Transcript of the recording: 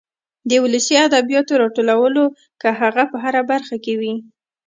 د ولسي ادبياتو راټولو که هغه په هره برخه کې وي.